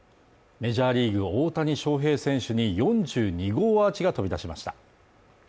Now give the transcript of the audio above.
メジャーリーグ大谷翔平選手に４２号アーチが飛び出しました